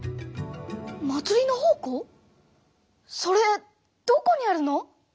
それどこにあるの！？